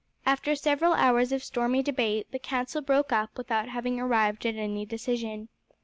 After several hours of stormy debate the council broke up without having arrived at any decision.